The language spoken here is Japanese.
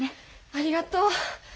ありがとう。